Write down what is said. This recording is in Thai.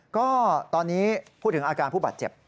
ก็ตอนนี้พูดถึงอาการผู้บาดเจ็บ